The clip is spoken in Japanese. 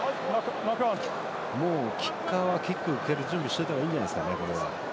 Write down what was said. もうキッカーは蹴る準備をしてた方がいいんじゃないですかね。